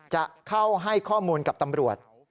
จะเข้าให้ข้อมูลกับตำรวจ